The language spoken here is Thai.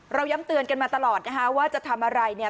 ย้ำเตือนกันมาตลอดนะคะว่าจะทำอะไรเนี่ย